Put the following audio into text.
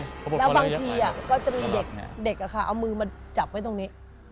แล้วบางทีก็จะมีเด็กเอามือมาจับไว้ตรงนี้